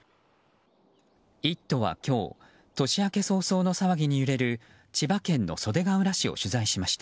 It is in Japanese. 「イット！」は今日年明け早々の騒ぎに揺れる千葉県の袖ケ浦市を取材しました。